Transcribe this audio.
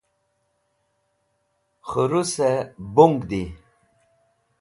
k̃hurus e bung di